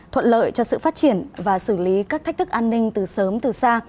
thuận lợi cho sự phát triển và xử lý các thách thức an ninh từ sớm từ xa